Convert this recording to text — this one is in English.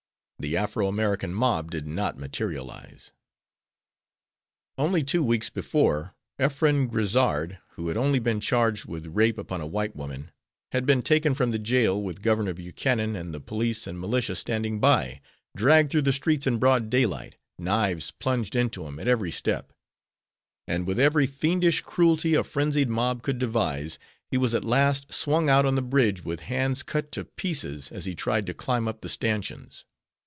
The Afro American mob did not materialize. Only two weeks before Eph. Grizzard, who had only been charged with rape upon a white woman, had been taken from the jail, with Governor Buchanan and the police and militia standing by, dragged through the streets in broad daylight, knives plunged into him at every step, and with every fiendish cruelty a frenzied mob could devise, he was at last swung out on the bridge with hands cut to pieces as he tried to climb up the stanchions.